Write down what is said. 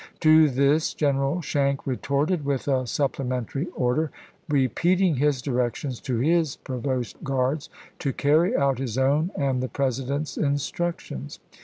To this General Schenck retorted with a supplementary order, repeating his directions to his provost guards to carry out his own and the President's instructions.